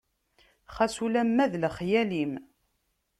Xas ulama d lexyal-im.